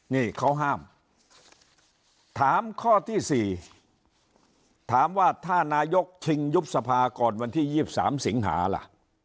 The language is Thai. นี่เขาห้ามถามข้อที่๔ถามว่าถ้านายกชิงยุบสภาก่อนวันที่๒๓สิงหาล่ะ